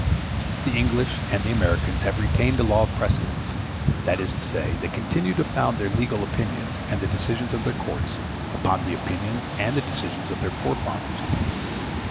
The English and the Americans have retained the law of precedents; that is to say, they continue to found their legal opinions and the decisions of their courts upon the opinions and the decisions of their forefathers.